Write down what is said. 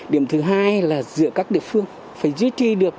điểm thứ hai là giữa các địa phương phải duy trì được